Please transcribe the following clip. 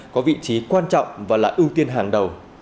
có vị trí quan trọng và là ưu tiên hàng đầu